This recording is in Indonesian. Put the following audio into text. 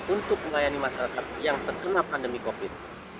untuk melayani masyarakat yang terkena pandemi covid